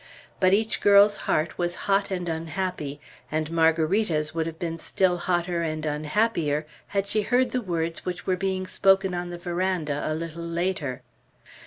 But each girl's heart was hot and unhappy; and Margarita's would have been still hotter and unhappier, had she heard the words which were being spoken on the veranda a little later.